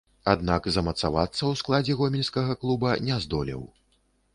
Аднак замацавацца ў складзе гомельскага клуба не здолеў.